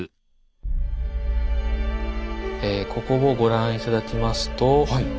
えここをご覧頂きますと。